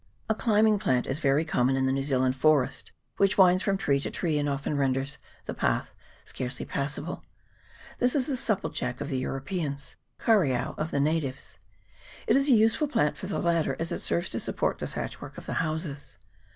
A climbing plant is very common in the New Zealand forest, which winds from tree to tree, and often renders the path scarcely passable. This is the supplejack of the Eu ropeans, kareao of the natives. It is a useful plant for the latter, as it serves to support the thatch work of the houses.